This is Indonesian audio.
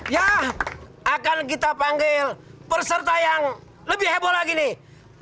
ya akan kita panggil peserta yang lebih heboh lagi nih